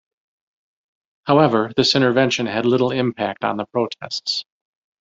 However, this intervention had little impact on the protests.